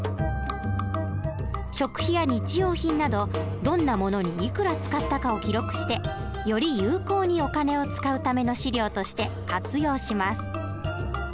食費や日用品などどんなものにいくら使ったかを記録してより有効にお金を使うための資料として活用します。